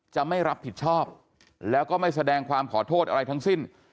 จะไม่รับผิดชอบแล้วก็ไม่แสดงความขอโทษอะไรทั้งสิ้น